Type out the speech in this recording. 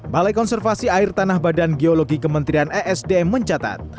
balai konservasi air tanah badan geologi kementerian esdm mencatat